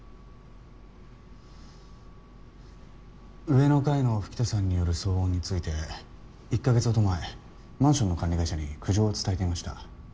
上の階の吹田さんによる騒音について１か月ほど前マンションの管理会社に苦情を伝えていました。